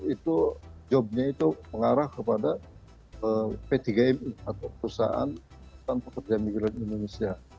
itu jobnya itu mengarah kepada p tiga mi atau perusahaan perusahaan migran indonesia